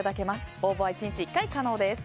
応募は１日１回可能です。